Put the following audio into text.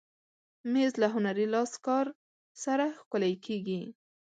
مېز له هنري لاسکار سره ښکلی کېږي.